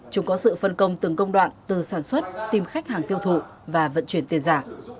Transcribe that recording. chúng có sự phân công từng công đoạn từ sản xuất tìm khách hàng tiêu thụ và vận chuyển tiền giả